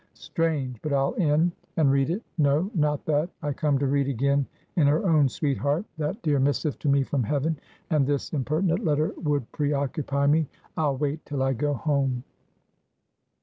Strange! but I'll in, and read it; no, not that; I come to read again in her own sweet heart that dear missive to me from heaven, and this impertinent letter would pre occupy me. I'll wait till I go home.